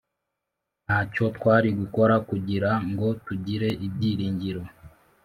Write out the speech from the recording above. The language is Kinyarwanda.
nta cyo twari gukora kugira ngo tugire ibyiringiro